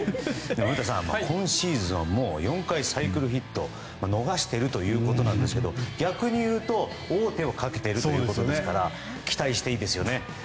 古田さん、今シーズンはもう４回サイクルヒットを逃してるということなんですが逆に言うと王手をかけているということですから期待していいですね。